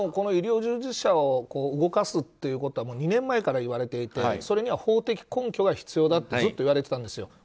医療従事者を動かすことには２年前から言われていてそれには法的根拠が必要だとずっと言われていたんですよ。